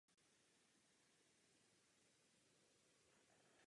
Nebylo by možné tuto situaci pro obyvatele těchto oblastí zjednodušit?